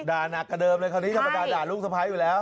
หนักกว่าเดิมเลยคราวนี้ธรรมดาด่าลูกสะพ้ายอยู่แล้ว